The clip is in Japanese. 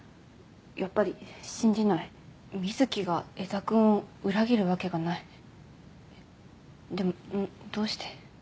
やっぱり信じない瑞貴が江田君を裏切るわけがないえっでもどうして？